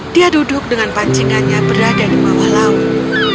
dia duduk dengan pancingannya berada di bawah laut